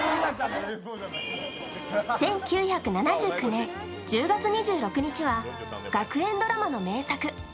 １９７９年１０月２６日は学園ドラマの名作